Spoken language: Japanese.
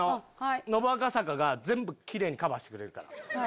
ノブ赤坂が全部キレイにカバーしてくれるから。